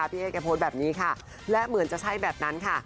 พี่เอ๊แกโพสต์แบบนี้ค่ะและเหมือนจะใช่แบบนั้นค่ะ